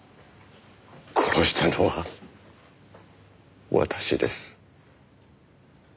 殺したのは私です。